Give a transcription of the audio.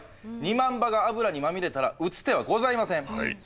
２万羽が油にまみれたら打つ手はございません。